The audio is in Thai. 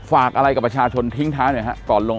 ฝากอะไรกับประชาชนทิ้งท้ายหน่อยฮะก่อนลง